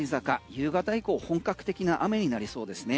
夕方以降本格的な雨になりそうですね。